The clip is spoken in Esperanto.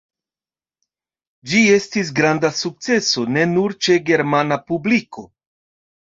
Ĝi estis granda sukceso, ne nur ĉe germana publiko.